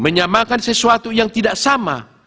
menyamakan sesuatu yang tidak sama